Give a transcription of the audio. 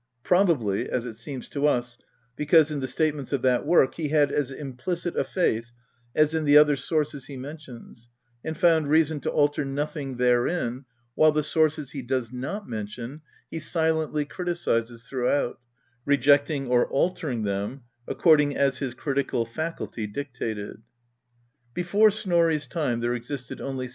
. probably, as it seems to us, because in the statements of that work he had as implicit a faith as in the other sources he mentions, and found reason to alter nothing therein, while the sources he does not mention he silently criticises throughout, rejecting or altering them according as his critical faculty dictated. " Before Snorri's time there existed only